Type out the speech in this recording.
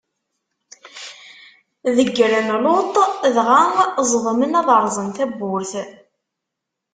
Deggren Luṭ, dɣa ẓedmen ad rẓen tabburt.